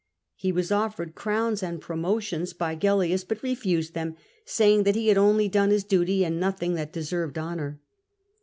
He was offered crowns and promotions by 2o8 CATO Gellins, but refused tbem, saying that he had only done his duty and nothing that deserved honour.